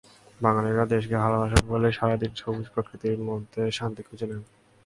বাঙালিরা দেশকে ভালোবাসেন বলেই সারা দিন সবুজ প্রকৃতির মধ্যে শান্তি খুঁজে নেন।